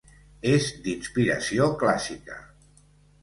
És d'inspiració clàssica.